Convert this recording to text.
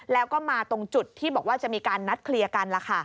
แล้วก็มาตรงจุดที่บอกว่าจะมีการนัดเคลียร์กัน